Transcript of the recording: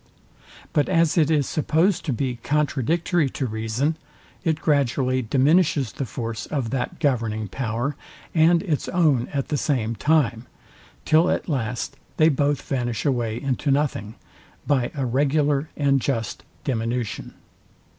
But as it is supposed to be contradictory to reason, it gradually diminishes the force of that governing power and its own at the same time; till at last they both vanish away into nothing, by a regulax and just diminution.